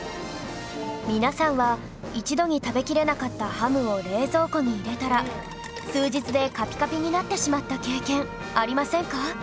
皆さんは一度に食べきれなかったハムを冷蔵庫に入れたら数日でカピカピになってしまった経験ありませんか？